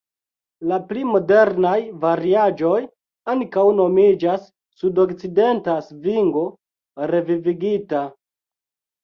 La pli modernaj variaĵoj ankaŭ nomiĝas "sudokcidenta svingo revivigita".